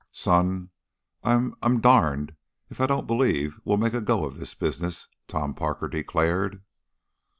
"Son! I I'm darned if I don't believe we'll make a go of this business," Tom Parker declared.